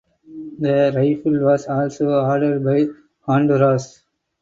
The rifle was also ordered by Honduras.